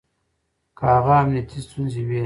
که هغه امنيتي ستونزې وي